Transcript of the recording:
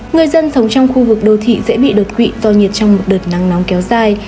người dân sống trong khu vực đô thị dễ bị đột quỵ do nhiệt trong một đợt nắng nóng kéo dài